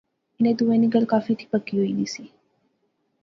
انیں دوئیں نی گل کافی تھی پکی ہوئی نی سی